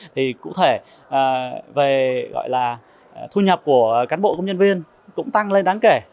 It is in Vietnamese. thì cụ thể về gọi là thu nhập của cán bộ công nhân viên cũng tăng lên đáng kể